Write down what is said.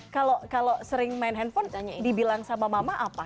kalau sering main handphone dibilang sama mama apa